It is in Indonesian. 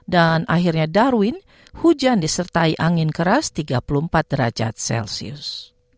akhirnya darwin hujan disertai angin keras tiga puluh empat derajat celcius